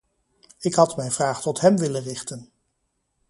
Ik had mijn vraag tot hem willen richten.